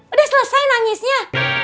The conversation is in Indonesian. udah selesai nangisnya